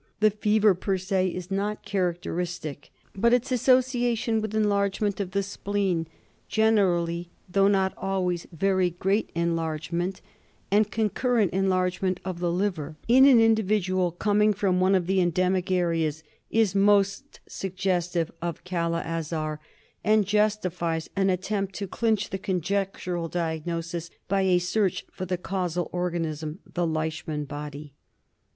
The fever per se is not characteristic ; but its association with enlargement of the spleen — generally, though not always, very great enlargement — and concurrent enlargement of the liver, in an individual coming from one of the endemic areas, is most suggestive of Kala Azar, and justifies an KALA AZAR. l8l attempt to clinch the conjectural diagnosis by a search for the causal organism — the Leishman body.